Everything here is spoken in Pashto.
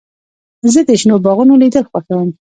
زه د شنو باغونو لیدل خوښوم.